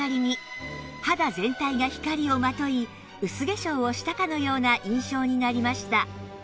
肌全体が光をまとい薄化粧をしたかのような印象になりました